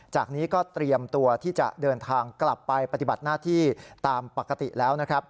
จากนี้ก็เตรียมตัวที่จะเดินทางกลับไปปฏิบัติหน้าที่ตามปกติแล้วนะครับ